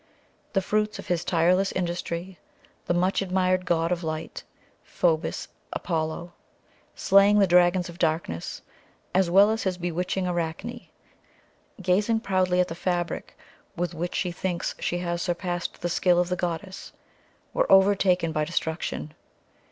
The fruits of his tireless industry, the much admired god of light, Phoebus Apollo, slaying the dragons of darkness, as well as his bewitching Arachne, gazing proudly at the fabric with which she thinks she has surpassed the skill of the goddess, were overtaken by destruction.